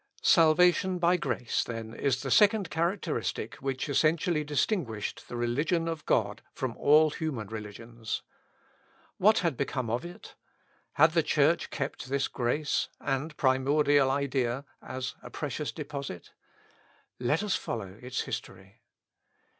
Salvation by grace, then, is the second characteristic which essentially distinguished the religion of God from all human religions. What had become of it? Had the Church kept this great and primordial idea as a precious deposit? Let us follow its history.